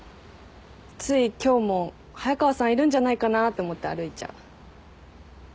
つい今日も早川さんいるんじゃないかなって思って歩いちゃう。